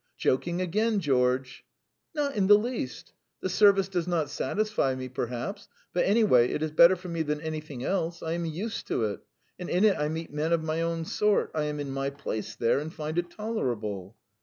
"Joking again, George!" "Not in the least. The service does not satisfy me, perhaps; but, anyway, it is better for me than anything else. I am used to it, and in it I meet men of my own sort; I am in my place there and find it tolerable."